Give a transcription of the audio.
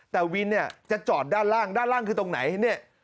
แต่วินจะจอดด้านล่างด้านล่างคือตรงไหน